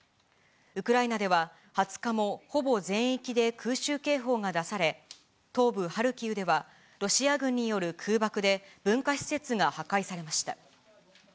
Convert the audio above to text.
ウクライナでは、２０日もほぼ全域で空襲警報が出され、東部ハルキウではロシア軍による空爆で文化施設が破壊されました。